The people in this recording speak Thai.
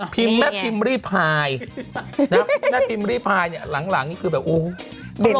พิมพ์แม่พิมพ์รีพายแม่พิมพายเนี่ยหลังนี่คือแบบโอ๊ย